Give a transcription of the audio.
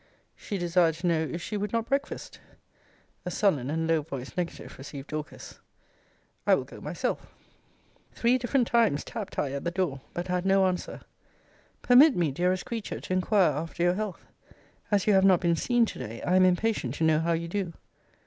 She desired to know, if she would not breakfast? A sullen and low voiced negative received Dorcas. I will go myself. Three different times tapped I at the door, but had no answer. Permit me, dearest creature, to inquire after your health. As you have not been seen to day, I am impatient to know how you do.